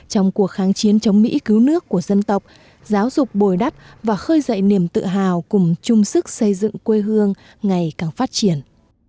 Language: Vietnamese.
trong cuộc kháng chiến chống mỹ cứu nước của dân tộc giáo dục bồi đắp và khơi dậy niềm tự hào cùng chung sức xây dựng quê hương ngày càng phát triển